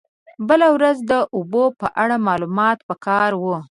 بله ورځ د اوبو په اړه معلومات په کار و.